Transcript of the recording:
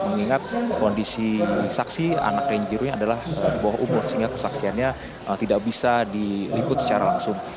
mengingat kondisi saksi anak renjirunya adalah di bawah umur sehingga kesaksiannya tidak bisa diliput secara langsung